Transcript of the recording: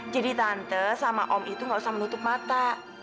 jadi tante sama om itu gak usah menutup mata